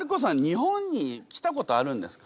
日本に来たことあるんですか？